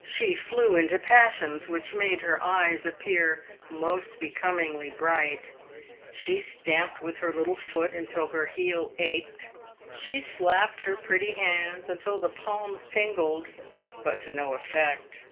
She flew into passions which made her eyes appear most becomingly bright ; she stamped with her little foot until her heel ached ; she slapped her pretty hands until the palms tingled, but to no effect.